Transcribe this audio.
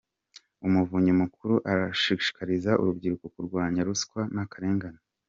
Umuvunyi Mukuru arashishikariza urubyiruko kurwanya ruswa n’akarengane